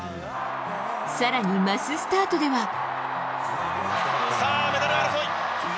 更に、マススタートでは。